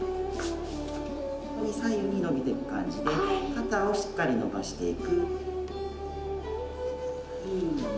左右に伸びてく感じで肩をしっかり伸ばしていく。